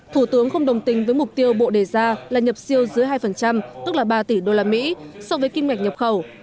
thủ tướng không đồng tình với mục tiêu bộ đề ra là nhập siêu dưới hai tức là ba tỷ usd so với kim ngạch nhập khẩu